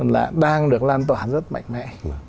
là đang được lan tỏa rất mạnh mẽ